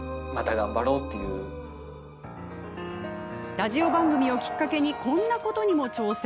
ラジオ番組をきっかけにこんなことにも挑戦。